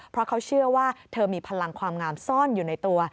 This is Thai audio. เพราะเขาเชื่อว่าเธอมีพลังความงามซ่อนอยู่ในตัว